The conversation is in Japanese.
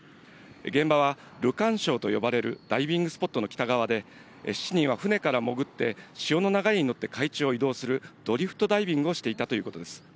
現場はルカン礁と呼ばれるダイビングスポットの北側で、７人は船から潜って、潮の流れに乗って海中を移動する、ドリフトダイビングをしていたということです。